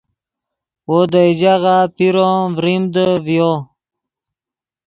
وو دئے ژاغہ پیرو ام ڤریمدے ڤیو